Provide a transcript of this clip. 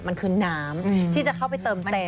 มันคือน้ำที่จะเข้าไปเติมเต็ม